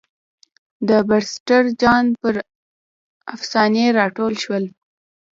د پرسټر جان پر افسانې را ټول شول.